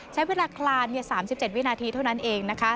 ใช้เวลาคลาน๓๗วินาทีเท่านั้นเองนะคะ